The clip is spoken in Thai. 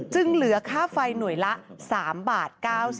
จึงเหลือค่าไฟหน่วยละ๓๙๙บาท